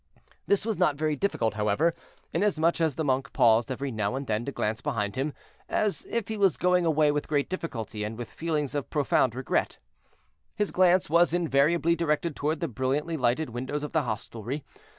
This was not very difficult, however, inasmuch as the monk paused every now and then to glance behind him, as if he was going away with great difficulty and with feelings of profound regret. His glance was invariably directed toward the brilliantly lighted windows of the hostelry.